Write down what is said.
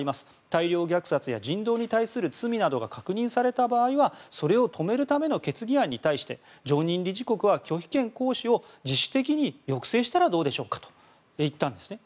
大量虐殺や人道に対する罪などが確認された場合はそれを止めるための決議案に対して常任理事国は拒否権行使を自主的に抑制したらどうでしょうかと言ったんですね。